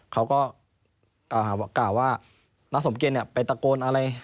เขาก็กล่าวว่านักศัพท์เกียรติไปตะโกนอะไร